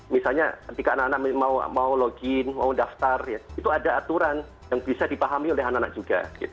misalnya ketika anak anak mau login mau daftar itu ada aturan yang bisa dipahami oleh anak anak juga